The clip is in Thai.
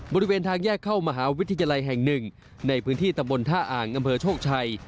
บริเวณทางแยกเข้ามหาวิทยาลัยแห่งหนึ่งในพื้นที่ตำบลท่าอ่างอำเภอโชคชัย